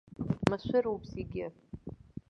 Машәыруп зегьы.